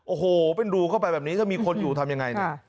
โอ้โหเป็นรูเข้าไปแบบนี้ถ้ามีคนอยู่ทำยังไงเนี่ย